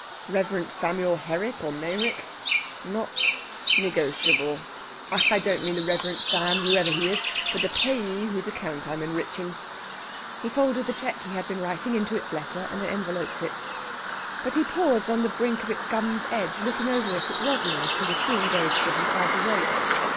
"Reverend Samuel Herrick or Meyrick.... 'Not negotiable.' I don't mean the Reverend Sam, whoever he is, but the payee whose account I'm enriching." He folded the cheque he had been writing into its letter and enveloped it. But he paused on the brink of its gummed edge, looking over it at Rosalind, who was still engaged getting quite awake.